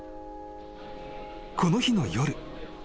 ［この日の夜］